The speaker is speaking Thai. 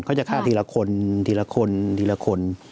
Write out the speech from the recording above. เขาจะฆ่าทีละคนทีละคนทีละคน